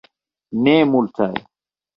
Ne multaj.